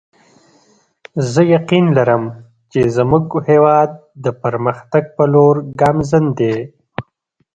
زه یقین لرم چې زموږ هیواد د پرمختګ په لور ګامزن دی